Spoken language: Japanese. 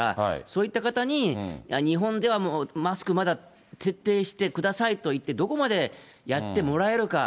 そういった方に、日本ではもうマスク、まだ徹底してくださいと言って、どこまでやってもらえるか。